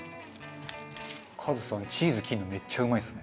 カズさんチーズ切るのめっちゃうまいですね。